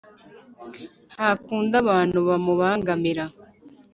ntakunda abantu bamubangamira